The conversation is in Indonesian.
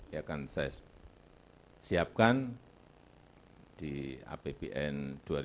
ya akan saya siapkan di apbn dua ribu dua puluh lima dua ribu dua puluh enam